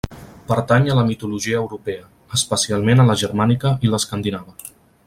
Pertany a la mitologia europea, especialment a la germànica i l'escandinava.